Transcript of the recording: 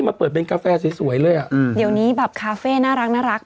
มาเปิดเป็นกาแฟสวยสวยเลยอ่ะอืมเดี๋ยวนี้แบบคาเฟ่น่ารักน่ารัก